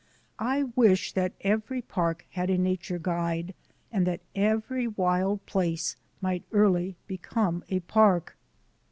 I wish that every park had a nature guide and that every wild place might early become a park.